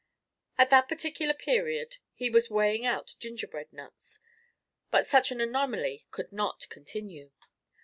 At that particular period he was weighing out gingerbread nuts; but such an anomaly could not continue.